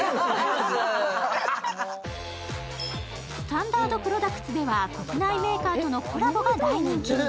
ＳｔａｎｄａｒｄＰｒｏｄｕｃｔｓでは国内メーカーとのコラボが大人気。